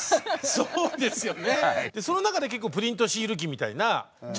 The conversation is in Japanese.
そうですよね。